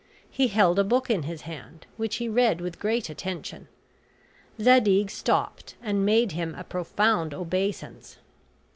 He held a book in his hand, which he read with great attention. Zadig stopped, and made him a profound obeisance.